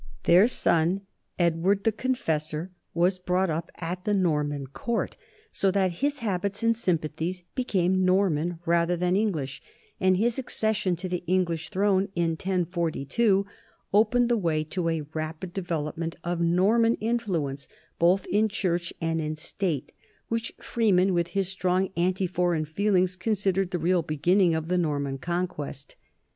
Their son Edward the Confessor was brought up at the Norman court, so that his habits and sympa thies became Norman rather than English, and his ac cession to the English throne in 1042 opened the way to a rapid development of Norman influence both in church and in state, which Freeman, with his strong anti foreign feelings, considered the real beginning of the Norman Conquest.